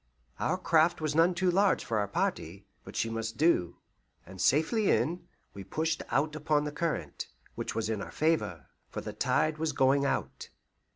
Our craft was none too large for our party, but she must do; and safely in, we pushed out upon the current, which was in our favour, for the tide was going out.